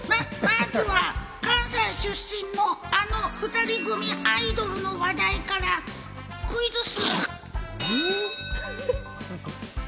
ま、ま、まずは関西出身のあの２人組アイドルの話題からクイズッス！